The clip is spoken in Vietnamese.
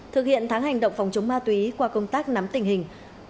thực hiện tháng hành động phòng chống ma túy qua công tác nắm tình hình